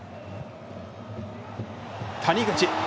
谷口。